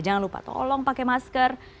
jangan lupa tolong pakai masker